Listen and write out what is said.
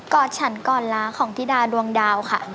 อดฉันกอดล้าของธิดาดวงดาวค่ะ